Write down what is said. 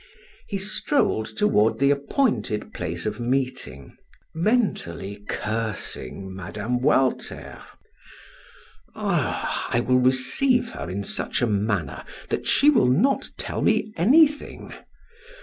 He strolled toward the appointed place of meeting, mentally cursing Mme. Walter. "Ah, I will receive her in such a manner that she will not tell me anything.